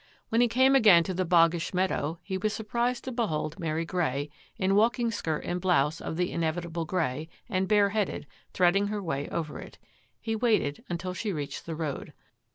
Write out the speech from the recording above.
When he came again to the hoggish meadow, he was surprised to behold Mary Grey, in walking skirt and blouse of the inevitable grey, and bareheaded, threading her way over it. He waited until she reached the road.